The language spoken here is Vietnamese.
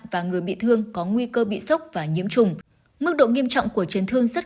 và người bị thương có nguy cơ bị sốc và nhiễm trùng mức độ nghiêm trọng của chấn thương rất